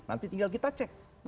nanti tinggal kita cek